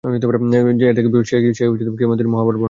যে এর থেকে বিমুখ হবে সে কিয়ামতের দিন মহাভার বহন করবে।